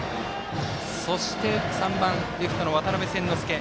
そして３番レフトの渡邉千之亮。